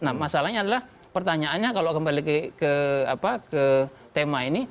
nah masalahnya adalah pertanyaannya kalau kembali ke tema ini